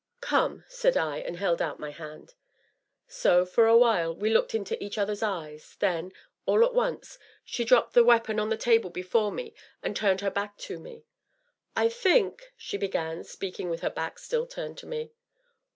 "Come," said I, and held out my hand. So, for a while, we looked into each other's eyes, then, all at once, she dropped the weapon on the table before me and turned her back to me. "I think " she began, speaking with her back still turned to me.